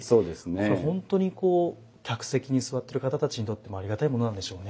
これ本当にこう客席に座ってる方たちにとってもありがたいものなんでしょうね。